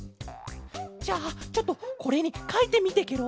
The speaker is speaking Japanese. じゃあちょっとこれにかいてみてケロ。